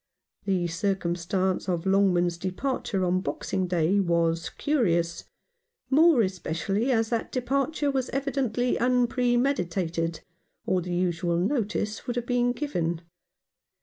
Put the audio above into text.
The circumstance of Longman's departure on Boxing Day was curious ; more especially as that departure was evidently unpremeditated, or the usual notice would have been given.